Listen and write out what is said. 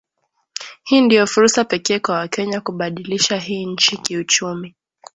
Hii ndio fursa pekee kwa wakenya kubadilisha hii nchi kiuchumi